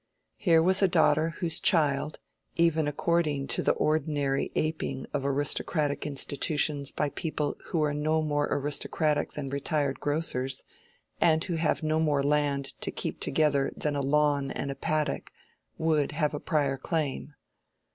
Here was a daughter whose child—even according to the ordinary aping of aristocratic institutions by people who are no more aristocratic than retired grocers, and who have no more land to "keep together" than a lawn and a paddock—would have a prior claim.